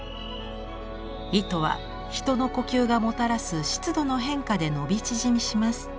糸は人の呼吸がもたらす湿度の変化で伸び縮みします。